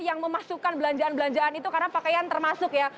yang memasukkan belanjaan belanjaan itu karena pakaian termasuk ya